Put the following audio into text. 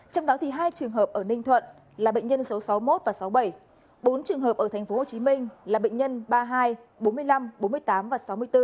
trong đó hai trường hợp ở ninh thuận là bệnh nhân số sáu mươi một và sáu mươi bảy bốn trường hợp ở tp hcm là bệnh nhân ba mươi hai bốn mươi năm bốn mươi tám và sáu mươi bốn